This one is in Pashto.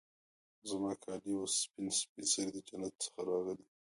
زما کالي وه سپین سپيڅلي د جنت څخه راغلي